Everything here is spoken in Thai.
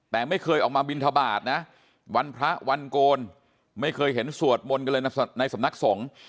แต่ไม่เคยออกมาบินทบาทนะวันพระวันโกนไม่เคยเห็นสวดมนต์กันเลยในสำนักสงฆ์